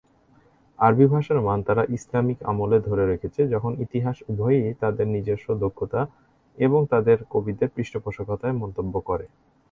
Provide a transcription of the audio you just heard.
আরবি ভাষার মান তারা ইসলামিক আমলে ধরে রেখেছে, যখন ইতিহাস উভয়ই তাদের নিজস্ব দক্ষতা এবং তাদের কবিদের পৃষ্ঠপোষকতায় মন্তব্য করে।